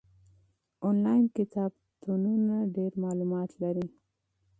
آنلاین کتابتونونه ډېر معلومات لري.